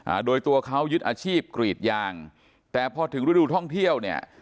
อ่าโดยตัวเขายึดอาชีพกรีดยางแต่พอถึงฤดูท่องเที่ยวเนี่ย